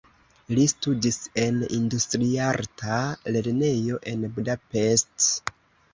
Li studis en industriarta lernejo en Budapest.